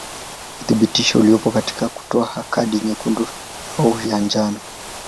Uthibitisho uliopo katika kutoa kadi nyekundu au ya njano.